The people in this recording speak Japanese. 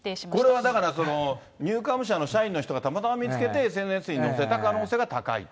これはだから、ニューカーム社の社員の人がたまたま見つけて、ＳＮＳに載せた可能性が高いと。